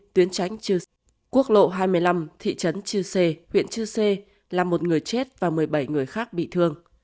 tuyến tránh quốc lộ hai mươi năm thị trấn chư sê huyện chư sê là một người chết và một mươi bảy người khác bị thương